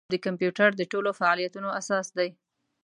د صفر او یو ترکیب د کمپیوټر د ټولو فعالیتونو اساس دی.